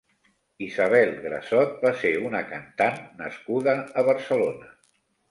Isabel Grassot va ser una cantant nascuda a Barcelona.